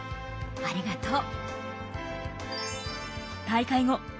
ありがとう。